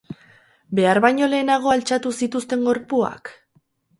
Behar baino lehenago altxatu zituzten gorpuak?